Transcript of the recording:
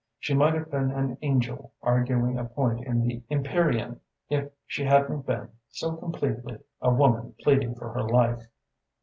She might have been an angel arguing a point in the empyrean if she hadn't been, so completely, a woman pleading for her life....